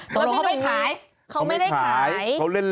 ตัวเราไม่ได้ขายเขาไม่ได้ขายเขาเล่น